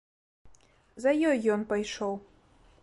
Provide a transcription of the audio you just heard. За ёй ён пайшоў.